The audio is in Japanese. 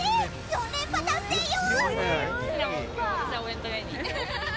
４連覇達成よ！